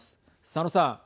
佐野さん。